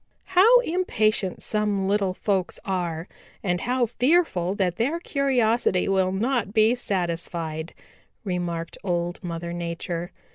"How impatient some little folks are and how fearful that their curiosity will not be satisfied," remarked Old Mother Nature.